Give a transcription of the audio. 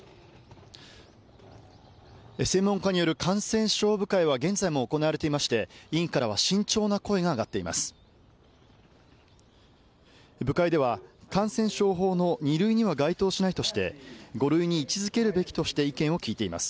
専門家による感染症部会は現在も行われていまして委員からは慎重な声が上がっています。